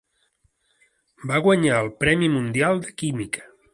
Va guanyar el Premi Mundial de Química.